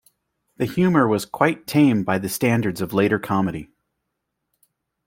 The humor was quite tame by the standards of later comedy.